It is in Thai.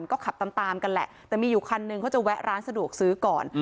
ก็ขับตามตามกันแหละแต่มีอยู่คันนึงเขาจะแวะร้านสะดวกซื้อก่อน